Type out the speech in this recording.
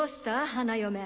花嫁。